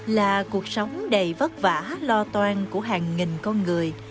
là cuộc sống đầy vất vả lo toan của hàng nghìn con người